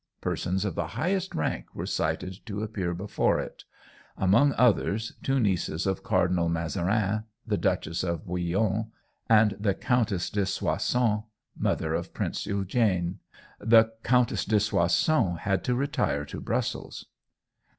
Persons of the highest rank were cited to appear before it; among others, two nieces of Cardinal Mazarin, the Duchess of Bouillon, and the Countess de Soissons, mother of Prince Eugène. The Countess de Soissons had to retire to Brussels.